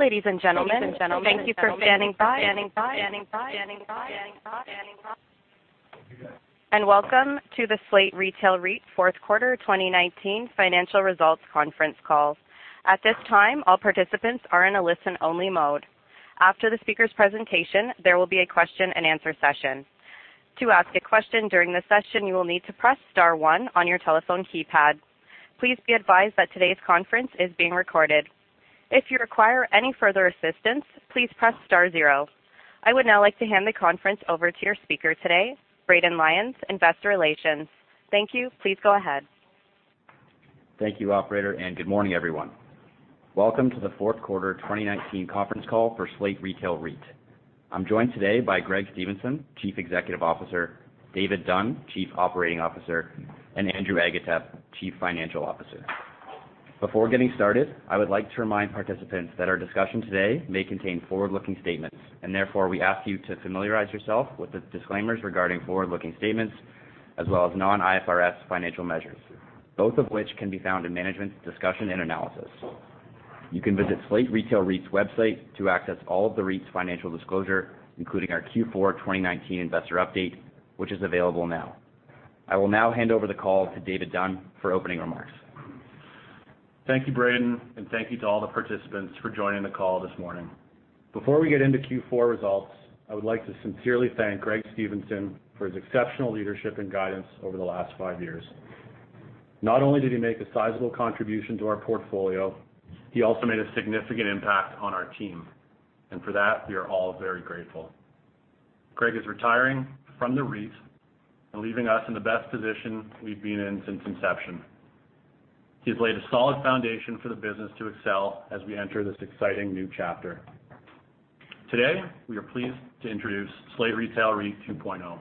Ladies and gentlemen, thank you for standing by. Welcome to the Slate Retail REIT Fourth Quarter 2019 Financial Results Conference Call. At this time, all participants are in a listen-only mode. After the speaker's presentation, there will be a question and answer session. To ask a question during the session, you will need to press star 1 on your telephone keypad. Please be advised that today's conference is being recorded. If you require any further assistance, please press star zero. I would now like to hand the conference over to your speaker today, Brayden Lyons, Investor Relations. Thank you. Please go ahead. Thank you, operator, and good morning, everyone. Welcome to the fourth quarter 2019 conference call for Slate Grocery REIT. I'm joined today by Greg Stevenson, Chief Executive Officer, David Dunn, Chief Operating Officer, and Andrew Agatep, Chief Financial Officer. Before getting started, I would like to remind participants that our discussion today may contain forward-looking statements, and therefore, we ask you to familiarize you with the disclaimers regarding forward-looking statements, as well as non-IFRS financial measures, both of which can be found in management's discussion and analysis. You can visit Slate Grocery REIT's website to access all of the REIT's financial disclosure, including our Q4 2019 investor update, which is available now. I will now hand over the call to David Dunn for opening remarks. Thank you, Brayden, and thank you to all the participants for joining the call this morning. Before we get into Q4 results, I would like to sincerely thank Greg Stevenson for his exceptional leadership and guidance over the last five years. Not only did he make a sizable contribution to our portfolio, he also made a significant impact on our team. For that, we are all very grateful. Greg is retiring from the REIT and leaving us in the best position we've been in since inception. He's laid a solid foundation for the business to excel as we enter this exciting new chapter. Today, we are pleased to introduce Slate Retail REIT 2.0.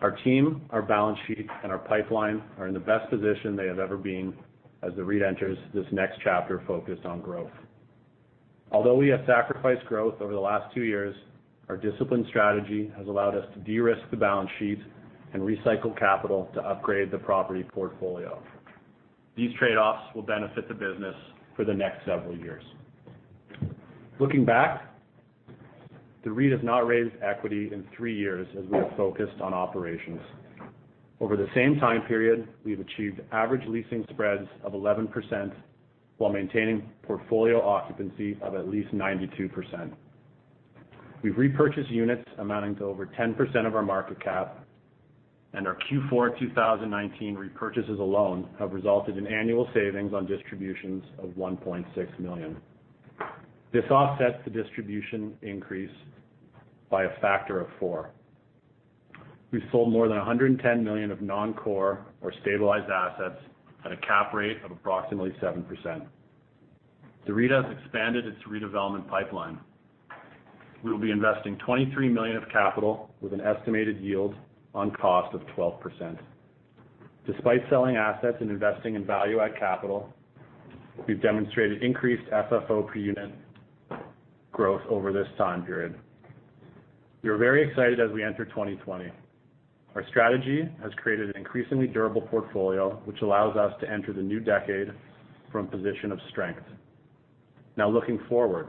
Our team, our balance sheet, and our pipeline are in the best position they have ever been as the REIT enters this next chapter focused on growth. Although we have sacrificed growth over the last two years, our disciplined strategy has allowed us to de-risk the balance sheet and recycle capital to upgrade the property portfolio. These trade-offs will benefit the business for the next several years. Looking back, the REIT has not raised equity in three years as we have focused on operations. Over the same time period, we've achieved average leasing spreads of 11% while maintaining portfolio occupancy of at least 92%. We've repurchased units amounting to over 10% of our market cap, and our Q4 2019 repurchases alone have resulted in annual savings on distributions of $1.6 million. This offsets the distribution increase by a factor of four. We've sold more than $110 million of non-core or stabilized assets at a cap rate of approximately 7%. The REIT has expanded its redevelopment pipeline. We will be investing $23 million of capital with an estimated yield on cost of 12%. Despite selling assets and investing in value-add capital, we've demonstrated increased FFO per unit growth over this time period. We are very excited as we enter 2020. Our strategy has created an increasingly durable portfolio, which allows us to enter the new decade from a position of strength. Now, looking forward.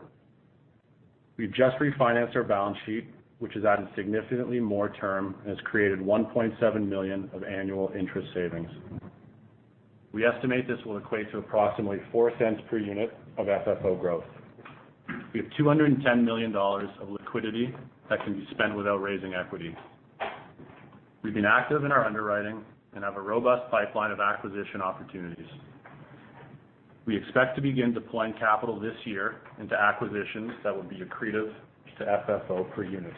We've just refinanced our balance sheet, which has added significantly more term and has created $1.7 million of annual interest savings. We estimate this will equate to approximately $0.04 per unit of FFO growth. We have $210 million of liquidity that can be spent without raising equity. We've been active in our underwriting and have a robust pipeline of acquisition opportunities. We expect to begin deploying capital this year into acquisitions that will be accretive to FFO per unit.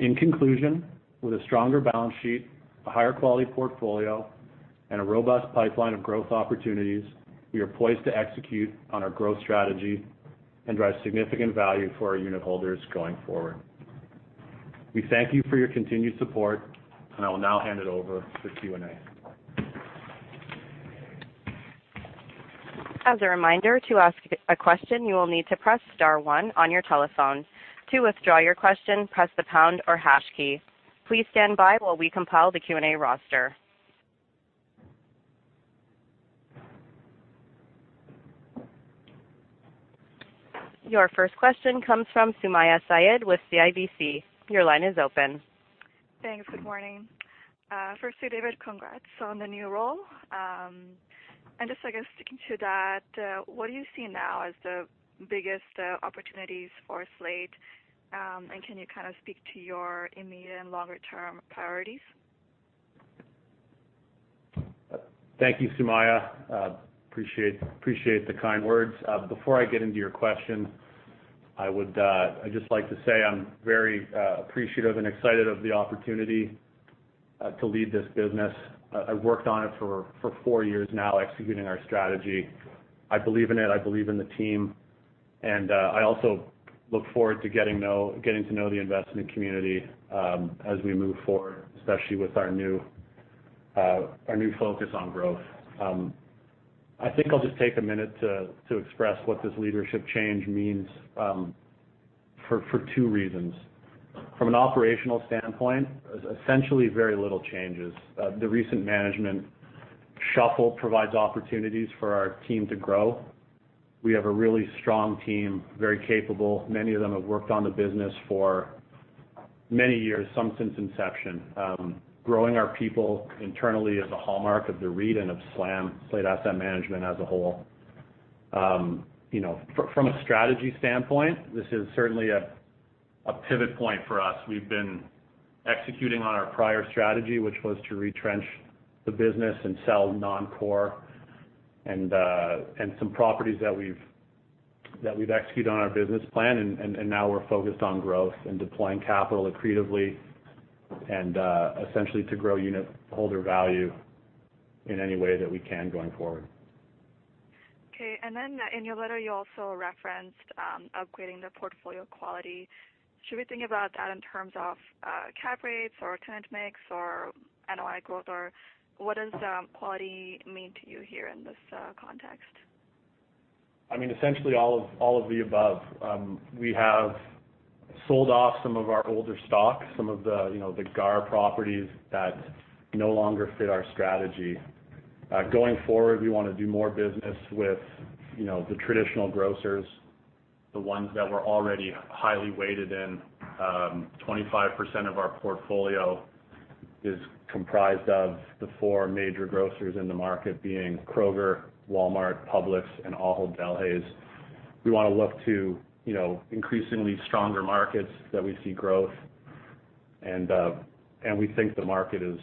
In conclusion, with a stronger balance sheet, a higher quality portfolio, and a robust pipeline of growth opportunities, we are poised to execute on our growth strategy and drive significant value for our unit holders going forward. We thank you for your continued support, I will now hand it over for Q&A. As a reminder, to ask a question, you will need to press star one on your telephone. To withdraw your question, press the pound or hash key. Please stand by while we compile the Q&A roster. Your first question comes from Sumayya Syed with CIBC. Your line is open. Thanks. Good morning. Firstly, David, congrats on the new role. Just, I guess, sticking to that, what do you see now as the biggest opportunities for Slate, and can you kind of speak to your immediate and longer term priorities? Thank you, Sumayya. Appreciate the kind words. Before I get into your question, I'd just like to say I'm very appreciative and excited of the opportunity to lead this business. I've worked on it for four years now, executing our strategy. I believe in it. I believe in the team, and I also look forward to getting to know the investment community as we move forward, especially with our new focus on growth. I think I'll just take a minute to express what this leadership change means for two reasons. From an operational standpoint, essentially very little changes. The recent management shuffle provides opportunities for our team to grow. We have a really strong team, very capable. Many of them have worked on the business for many years, some since inception. Growing our people internally is a hallmark of the REIT and of SLM, Slate Asset Management as a whole. From a strategy standpoint, this is certainly a pivot point for us. We've been executing on our prior strategy, which was to retrench the business and sell non-core and some properties that we've executed on our business plan. Now we're focused on growth and deploying capital accretively and essentially to grow unitholder value in any way that we can going forward. Okay. In your letter, you also referenced upgrading the portfolio quality. Should we think about that in terms of cap rates or tenant mix or NOI growth, or what does quality mean to you here in this context? Essentially all of the above. We have sold off some of our older stock, some of the GAR properties that no longer fit our strategy. Going forward, we want to do more business with the traditional grocers, the ones that we're already highly weighted in. 25% of our portfolio is comprised of the four major grocers in the market, being Kroger, Walmart, Publix, and Ahold Delhaize. We want to look to increasingly stronger markets that we see growth. We think the market is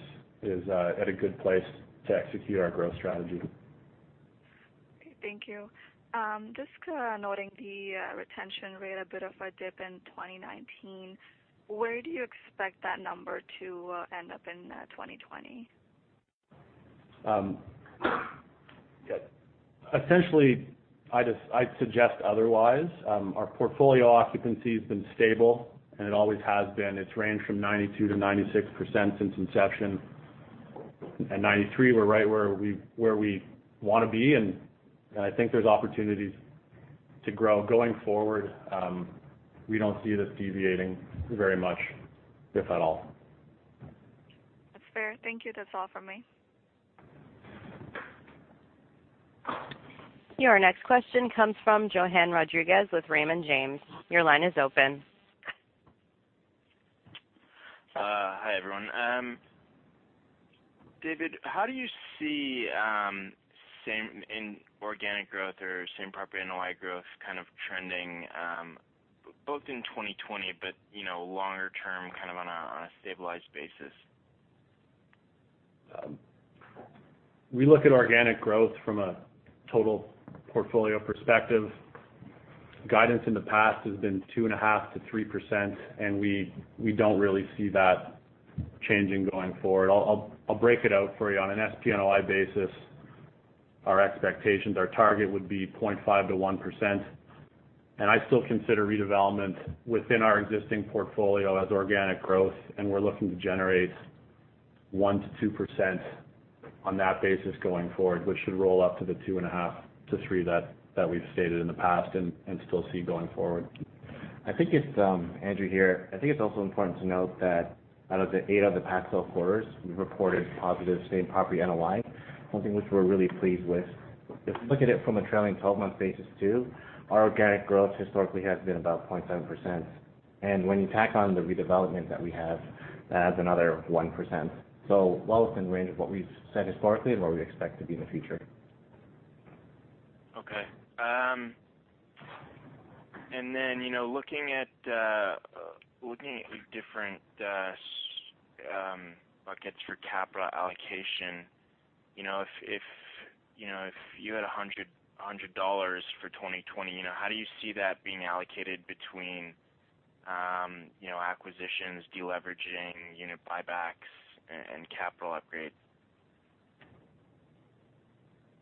at a good place to execute our growth strategy. Okay, thank you. Just noting the retention rate, a bit of a dip in 2019. Where do you expect that number to end up in 2020? Essentially, I'd suggest otherwise. Our portfolio occupancy has been stable and it always has been. It's ranged from 92%-96% since inception. At 93%, we're right where we want to be, and I think there's opportunities to grow. Going forward, we don't see this deviating very much, if at all. That's fair. Thank you. That's all from me. Your next question comes from Johann Rodrigues with Raymond James. Your line is open. Hi, everyone. David, how do you see organic growth or same property NOI growth kind of trending, both in 2020, but longer term kind of on a stabilized basis? We look at organic growth from a total portfolio perspective. Guidance in the past has been 2.5%-3%. We don't really see that changing going forward. I'll break it out for you on an SPNOI basis. Our expectations, our target would be 0.5%-1%. I still consider redevelopment within our existing portfolio as organic growth. We're looking to generate 1%-2% on that basis going forward, which should roll up to the 2.5%-3% that we've stated in the past and still see going forward. Andrew here. I think it's also important to note that out of the eight of the past 12 quarters, we've reported positive same property NOI, something which we're really pleased with. If you look at it from a trailing 12-month basis too, our organic growth historically has been about 0.7%. When you tack on the redevelopment that we have, that adds another 1%. Well within range of what we've said historically and what we expect to be in the future. Okay. Looking at the different buckets for capital allocation, if you had $100 for 2020, how do you see that being allocated between acquisitions, de-leveraging, unit buybacks, and capital upgrades?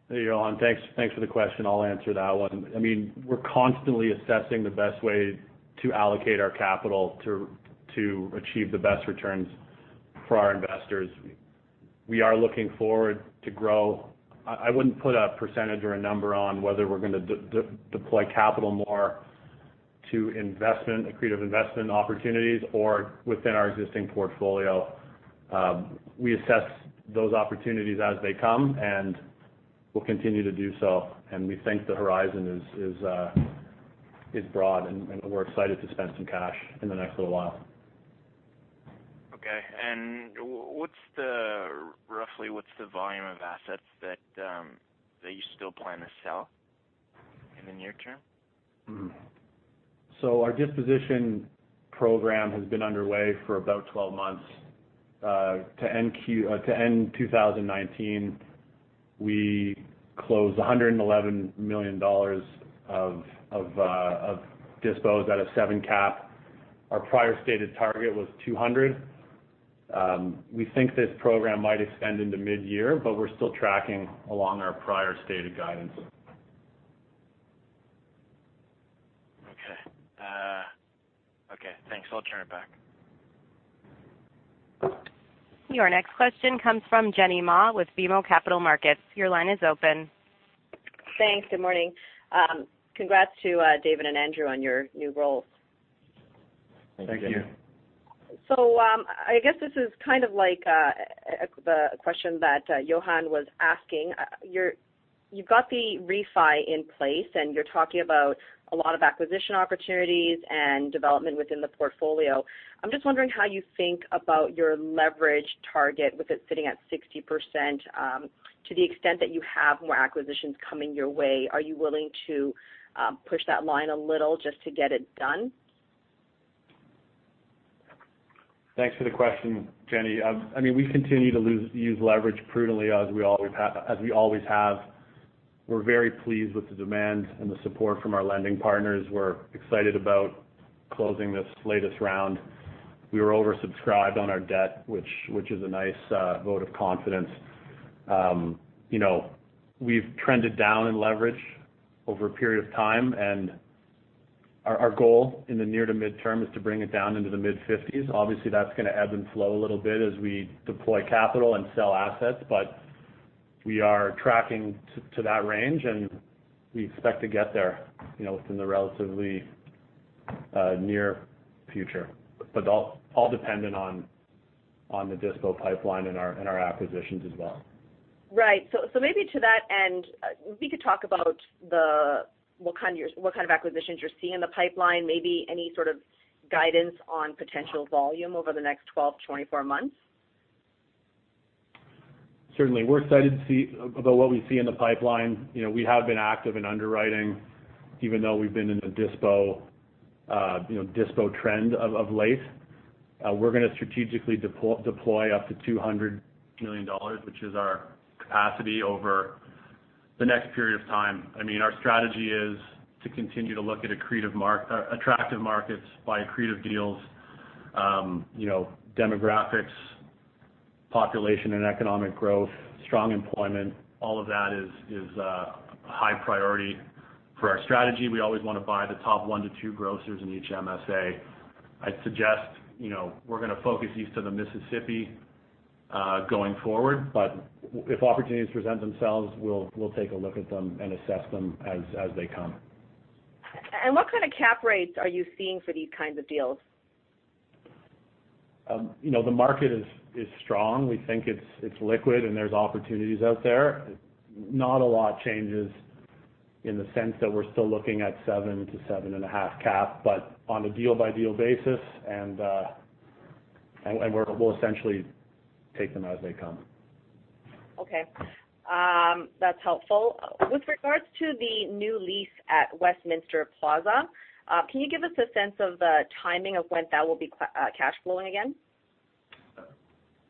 Hey, Johann. Thanks for the question. I'll answer that one. We're constantly assessing the best way to allocate our capital to achieve the best returns for our investors. We are looking forward to grow. I wouldn't put a percentage or a number on whether we're going to deploy capital more to accretive investment opportunities or within our existing portfolio. We assess those opportunities as they come, and we'll continue to do so. We think the horizon is broad, and we're excited to spend some cash in the next little while. Okay. Roughly what's the volume of assets that you still plan to sell in the near term? Our disposition program has been underway for about 12 months. To end 2019, we closed $111 million of disposed out of seven cap. Our prior stated target was $200. We think this program might extend into mid-year, but we're still tracking along our prior stated guidance. Okay. Thanks. I'll turn it back. Your next question comes from Jenny Ma with BMO Capital Markets. Your line is open. Thanks. Good morning. Congrats to David and Andrew on your new roles. Thank you. Thank you. I guess this is kind of like the question that Johann was asking. You've got the refi in place, and you're talking about a lot of acquisition opportunities and development within the portfolio. I'm just wondering how you think about your leverage target with it sitting at 60%. To the extent that you have more acquisitions coming your way, are you willing to push that line a little just to get it done? Thanks for the question, Jenny. We continue to use leverage prudently as we always have. We're very pleased with the demand and the support from our lending partners. We're excited about closing this latest round. We were oversubscribed on our debt, which is a nice vote of confidence. We've trended down in leverage over a period of time, and our goal in the near to midterm is to bring it down into the mid-50s. Obviously, that's going to ebb and flow a little bit as we deploy capital and sell assets, but we are tracking to that range, and we expect to get there within the relatively near future. All dependent on the dispo pipeline and our acquisitions as well. Right. Maybe to that end, if you could talk about what kind of acquisitions you're seeing in the pipeline, maybe any sort of guidance on potential volume over the next 12-24 months. Certainly. We're excited about what we see in the pipeline. We have been active in underwriting, even though we've been in the dispo trend of late. We're going to strategically deploy up to $200 million, which is our capacity over the next period of time. Our strategy is to continue to look at attractive markets, buy accretive deals. Demographics, population and economic growth, strong employment, all of that is high priority for our strategy. We always want to buy the top one to two grocers in each MSA. I'd suggest we're going to focus east of the Mississippi going forward. If opportunities present themselves, we'll take a look at them and assess them as they come. What kind of cap rates are you seeing for these kinds of deals? The market is strong. We think it's liquid, and there's opportunities out there. Not a lot changes in the sense that we're still looking at seven to seven and a half cap, but on a deal-by-deal basis, and we'll essentially take them as they come. Okay. That's helpful. With regards to the new lease at Westminster Plaza, can you give us a sense of the timing of when that will be cash flowing again?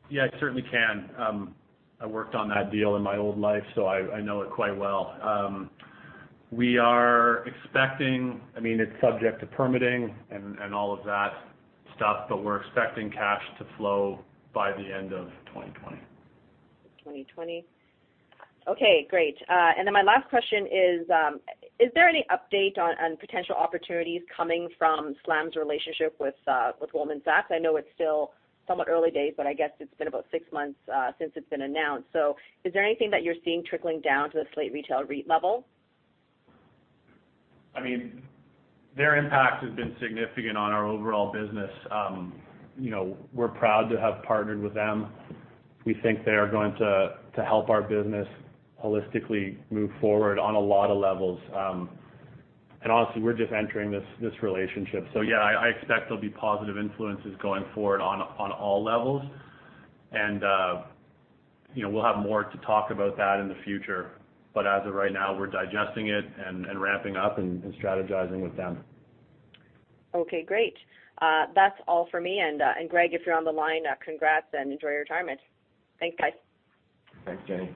Yeah, I certainly can. I worked on that deal in my old life, so I know it quite well. It's subject to permitting and all of that stuff, but we're expecting cash to flow by the end of 2020. 2020. Okay, great. My last question is: Is there any update on potential opportunities coming from SLM's relationship with Goldman Sachs? I know it's still somewhat early days, but I guess it's been about six months since it's been announced. Is there anything that you're seeing trickling down to the Slate Retail REIT level? Their impact has been significant on our overall business. We're proud to have partnered with them. We think they are going to help our business holistically move forward on a lot of levels. Honestly, we're just entering this relationship. Yeah, I expect there'll be positive influences going forward on all levels. We'll have more to talk about that in the future. As of right now, we're digesting it and ramping up and strategizing with them. Okay, great. That's all for me. Greg, if you're on the line, congrats and enjoy your retirement. Thanks, guys. Thanks, Jenny.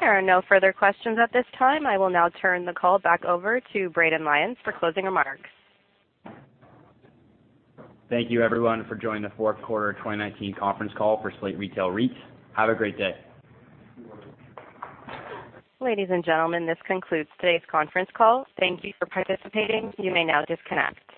There are no further questions at this time. I will now turn the call back over to Brayden Lyons for closing remarks. Thank you, everyone, for joining the fourth quarter 2019 conference call for Slate Grocery REIT. Have a great day. Ladies and gentlemen, this concludes today's conference call. Thank you for participating. You may now disconnect.